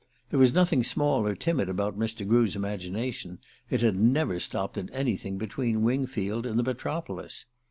There was nothing small or timid about Mr. Grew's imagination; it had never stopped at anything between Wingfield and the metropolis.